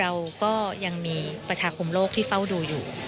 เราก็ยังมีประชาคมโลกที่เฝ้าดูอยู่